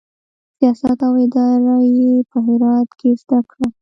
سیاست او اداره یې په هرات کې زده کړه.